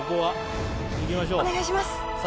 お願いします。